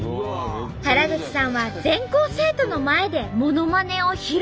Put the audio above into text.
原口さんは全校生徒の前でものまねを披露。